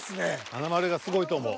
華丸がすごいと思う。